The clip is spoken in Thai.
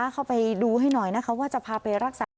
เข้าไปดูให้หน่อยนะคะว่าจะพาไปรักษา